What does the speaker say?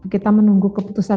kita menunggu keputusan